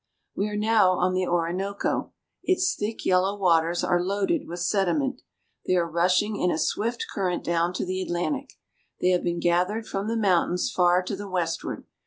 We are now on the Orinoco. Its thick yellow waters are loaded with sediment. They are rushing in a swift current down to the Atlantic. They have been gathered from the mountains far to the westward.